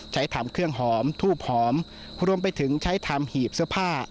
ใช้ทำเครื่องหอมทูบหอมรวมไปถึงใช้ทำหีบเสื้อผ้า